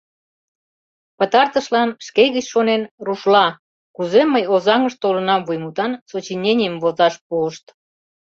Пытартышлан, шке гыч шонен, рушла «Кузе мый Озаҥыш толынам» вуймутан сочиненийым возаш пуышт.